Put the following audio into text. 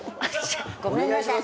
ごめんなさい